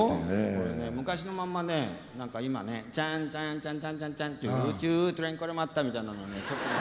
これね昔のまんまね何か今ね「チャンチャンチャンチャンチャンチャンＣｈｏｏＣｈｏｏｔｒａｉｎこれまった」みたいなのはねちょっとね。